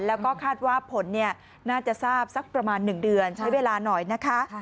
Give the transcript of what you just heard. แล้วก็คาดว่าผลน่าจะทราบสักประมาณ๑เดือนใช้เวลาหน่อยนะคะ